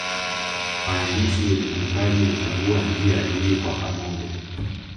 Waandishi wenye vipaji huchagua njia hii kwa pamoja